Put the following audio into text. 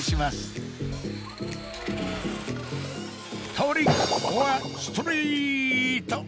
トリックオアストリート！